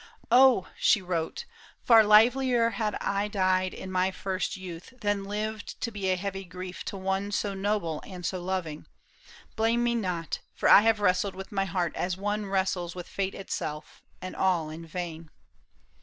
" Oh !" she wrote, " Far liever had I died in my first youth. Than lived to be a heavy grief to one So noble and so loving. Blame me not ; For I have wrestled with my heart as one Wrestles with fate itself ; and all in vain."